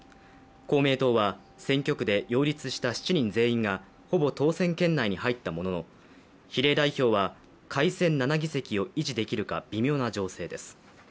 公明党は、選挙区で擁立した７人全員がほぼ当選圏内に入ったものの比例代表は改選７議席を維持できるか微妙な情勢です。